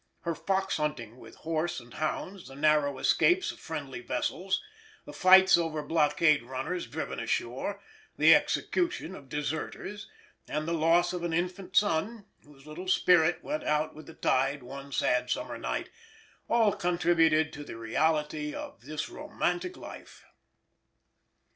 Her fox hunting with horse and hounds, the narrow escapes of friendly vessels, the fights over blockade runners driven ashore, the execution of deserters, and the loss of an infant son, whose little spirit went out with the tide one sad summer night, all contributed to the reality of this romantic life.